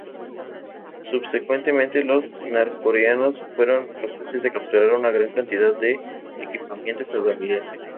Subsecuentemente los norcoreanos fueron capaces de capturar una gran cantidad de equipamiento estadounidense.